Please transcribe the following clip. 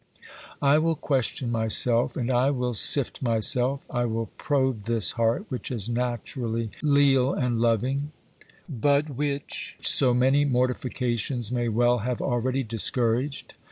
I will question myself, and I will sift myself; I will probe this heart which is naturally leal and loving, but which so many mortifications may well have already discouraged.